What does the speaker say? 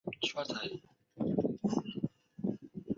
尖草坪区是中国山西省太原市所辖的一个市辖区。